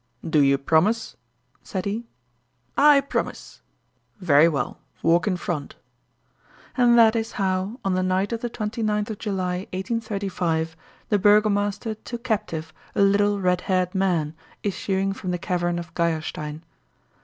"Do you promise?" said he. "I promise!" "Very well walk in front." And that is how, on the night of the 29th of July, 1835, the burgomaster took captive a little red haired man, issuing from the cavern of Geierstein.